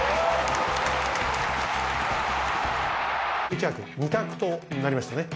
一羽君２択となりましたね。